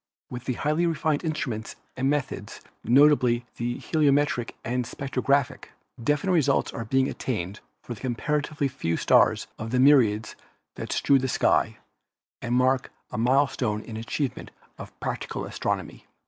With the highly refined instruments and meth ods, notably the heliometric and spectrographic, defi nite results are being attained for a comparatively few stars of the myriads that strew the sky and mark a mile stone in achievement of practical astronomy.